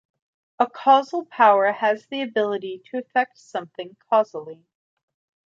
A causal power has the ability to affect something causally.